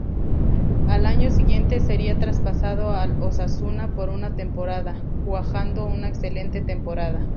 Al año siguiente, sería traspasado al Osasuna por una temporada, cuajando una excelente temporada.